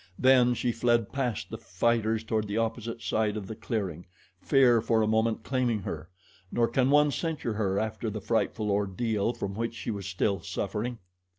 Then she fled past the fighters toward the opposite side of the clearing, fear for a moment claiming her. Nor can one censure her after the frightful ordeal from which she was still suffering.